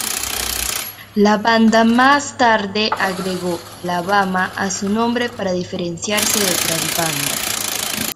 La banda más tarde agregó "Alabama" a su nombre para diferenciarse de otras bandas.